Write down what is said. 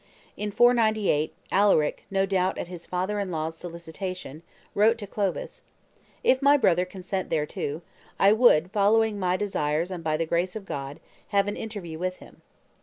In 498, Alaric, no doubt at his father in law's solicitation, wrote to Clovis, "If my brother consent thereto, I would, following my desires and by the grace of God, have an interview with him."